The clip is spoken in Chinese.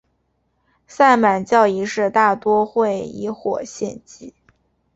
萨满教仪式大多会以火献祭。